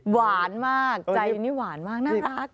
หวานมากใจนี่หวานมากน่ารัก